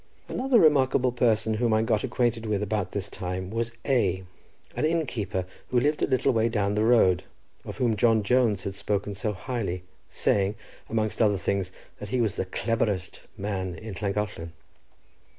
Another remarkable person whom I got acquainted with about this time, was A—, the innkeeper, who lived a little way down the road, of whom John Jones had spoken. So highly, saying, amongst other things, that he was the clebberest man in Llangollen.